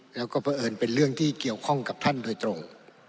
แล้วก็เพราะเอิญเป็นเรื่องที่เกี่ยวข้องกับท่านโดยตรง